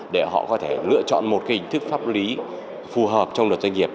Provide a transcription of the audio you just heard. để họ có thể lựa chọn một cái hình thức pháp lý phù hợp trong luật doanh nghiệp